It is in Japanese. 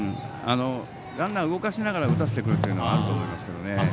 ランナー動かしながら打たせてくるというのはあると思いますね。